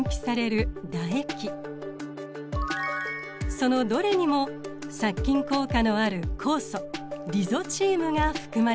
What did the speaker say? そのどれにも殺菌効果のある酵素リゾチームが含まれています。